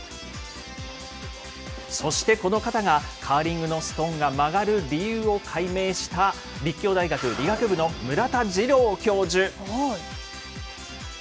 そしてこの方が、カーリングのストーンが曲がる理由を解明した、立教大学理学部の村田次郎教授。